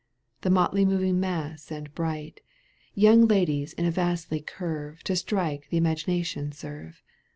The motley moving mass and bright, Young ladies in a vasty curve, To strike imagination serve.